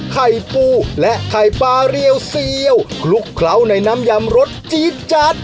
ไข่ปูและไข่ปลาเรียวเซียวคลุกเคล้าในน้ำยำรสจี๊ดจัด